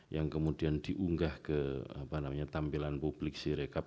yang kemudian diunggah ke tampilan publik sirekap